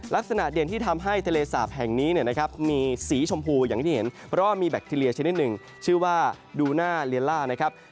เด่นที่ทำให้ทะเลสาปแห่งนี้นะครับมีสีชมพูอย่างที่เห็นเพราะว่ามีแบคทีเรียชนิดหนึ่งชื่อว่าดูน่าเลียล่านะครับ